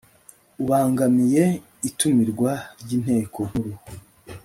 ubangamiye itumirwa ry inteko nkuru